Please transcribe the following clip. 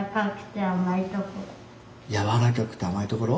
やわらかくて甘いところ。